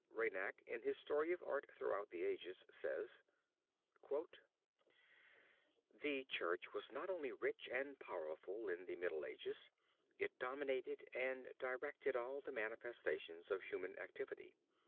Reinach in his Story of Art throughout the Ages says: "The Church was not only rich and powerful in the Middle Ages; it dominated and directed all the manifestations of human activity.